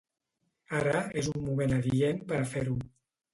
Ara és un moment adient per a fer-ho.